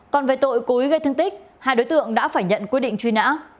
còn về tội cúi gây thương tích hai đối tượng đã phải nhận quyết định truy nã